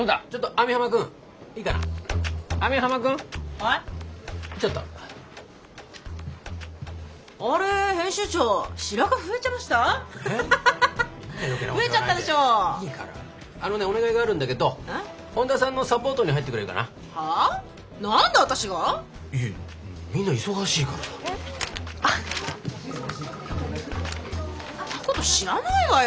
そんなこと知らないわよ。